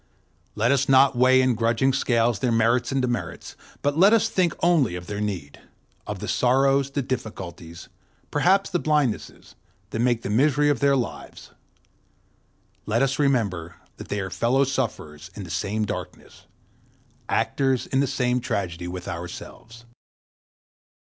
Let us not weigh in grudging scales their merits and demerits, but let us think only of their need—of the sorrows, the difficulties, perhaps the blindnesses, that make the misery of their lives; let us remember that they are fellow sufferers in the same darkness, actors in the same tragedy with ourselves.